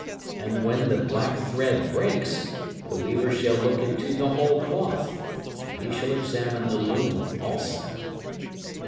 And when the black thread breaks, the weaver shall look into the whole cloth, and he shall examine the loom also.